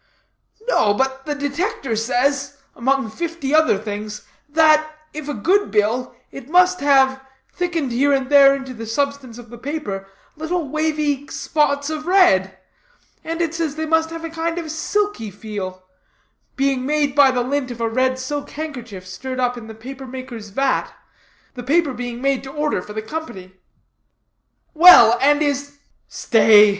"No; but the Detector says, among fifty other things, that, if a good bill, it must have, thickened here and there into the substance of the paper, little wavy spots of red; and it says they must have a kind of silky feel, being made by the lint of a red silk handkerchief stirred up in the paper maker's vat the paper being made to order for the company." "Well, and is " "Stay.